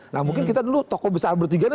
tidak tahu dulu tokoh besar bertiga ini